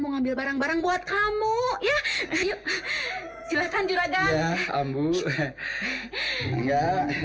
mau ngambil barang barang buat kamu ya silahkan juragan ambu ya